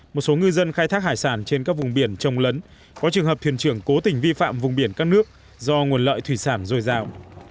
một số ngư dân khai thác hải sản trên các vùng biển trồng lấn có trường hợp thuyền trưởng cố tình vi phạm vùng biển các nước do nguồn lợi thủy sản dồi dào